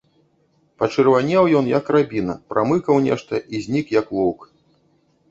Пачырванеў ён, як рабіна, прамыкаў нешта і знік, як воўк.